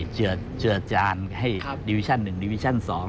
เจือดจานให้ดิวิชั่นหนึ่งดิวิชั่นสอง